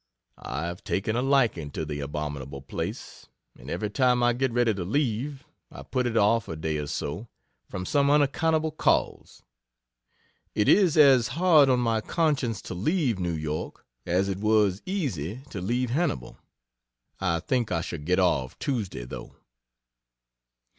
I have taken a liking to the abominable place, and every time I get ready to leave, I put it off a day or so, from some unaccountable cause. It is as hard on my conscience to leave New York, as it was easy to leave Hannibal. I think I shall get off Tuesday, though.